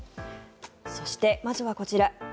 そして、まずはこちら。